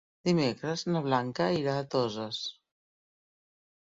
Dimecres na Blanca irà a Toses.